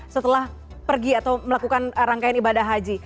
setelah pergi atau melakukan rangkaian ibadah haji